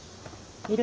いる？